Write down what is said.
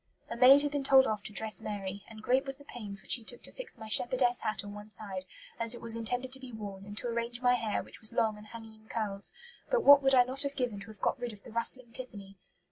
A maid had been told off to dress Mary, and "great was the pains which she took to fix my shepherdess hat on one side, as it was intended to be worn, and to arrange my hair, which was long and hanging in curls; but what would I not have given to have got rid of the rustling tiffany!"